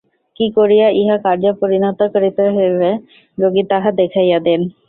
কি করিয়া ইহা কার্যে পরিণত করিতে হইবে, যোগী তাহা দেখাইয়া দেন।